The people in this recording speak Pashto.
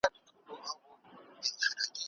د مغولو کړني تل د بحث وړ دي.